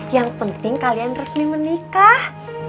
yang penting kalian resmi menikah